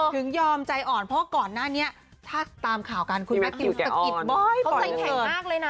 ถึงยอมใจอ่อนเพราะก่อนหน้านี้ถ้าตามข่าวการคุณแม็กซ์ตะกิบบ้อยป่อยเลย